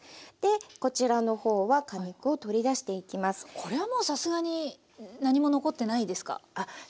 これはもうさすがに何も残ってないですか？